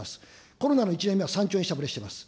コロナの１年目は３兆円下振れしてます。